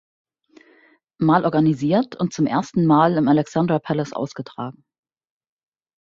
Mal organisiert und zum ersten Mal im Alexandra Palace ausgetragen.